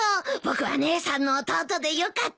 僕は姉さんの弟でよかったよ。